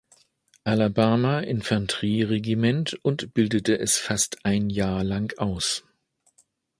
Alabama-Infanterie-Regiment und bildete es fast ein Jahr lang aus.